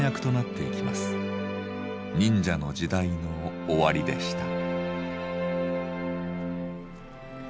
忍者の時代の終わりでした。